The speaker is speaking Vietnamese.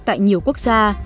tại nhiều quốc gia